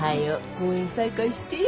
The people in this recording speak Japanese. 公演再開してや。